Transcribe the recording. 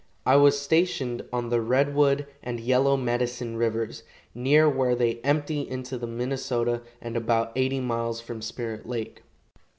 I was stationed on the Redwood and Yellow Medicine rivers, near where they empty into the Minnesota, and about eighty miles from Spirit lake.